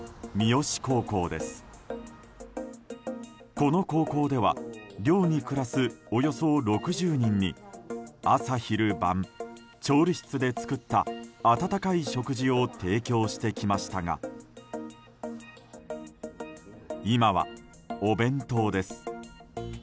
この高校では寮に暮らすおよそ６０人に朝昼晩、調理室で作った温かい食事を提供してきましたが今は、お弁当です。